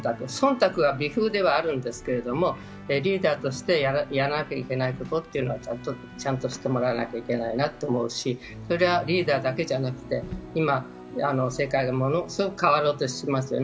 忖度は微風ではあるんですけれども、リーダーとしてやらなければいけないことはちゃんとしてもらわなきゃいけないなと思うし、リーダーだけじゃなくて、今、世界がものすごく変わろうとしてますよね。